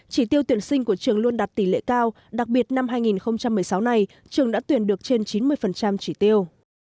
chỉ tiêu tuyển sinh của trường luôn đạt tỷ lệ cao đặc biệt năm hai nghìn một mươi sáu này trường đã tuyển được trên chín mươi chỉ tiêu